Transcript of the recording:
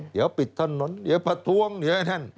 เดี๋ยวปิดถนนเดี๋ยวพัดทวงเดี๋ยวอย่างนั้น